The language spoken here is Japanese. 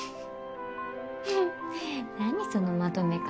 フフッ何そのまとめ方。